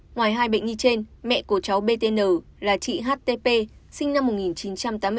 ngoài hai bệnh nhi trên mẹ của cháu btn là chị htp sinh năm một nghìn chín trăm tám mươi bốn